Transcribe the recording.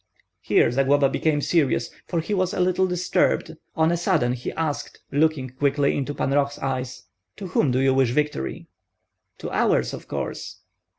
Here Zagloba became serious, for he was a little disturbed; on a sudden he asked, looking quickly into Pan Roh's eyes, "To whom do you wish victory?" "To ours, of course."